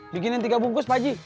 bikinin tiga bungkus pakji